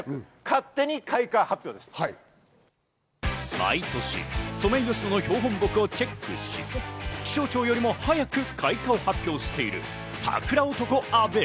毎年、ソメイヨシノの標本木をチェックし、気象庁よりも早く開花を発表しているサクラ男・阿部。